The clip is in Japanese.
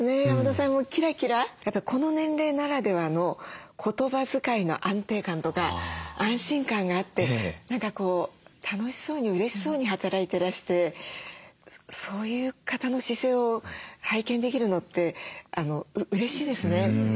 山田さんもキラキラこの年齢ならではの言葉遣いの安定感とか安心感があって何かこう楽しそうにうれしそうに働いてらしてそういう方の姿勢を拝見できるのってうれしいですね。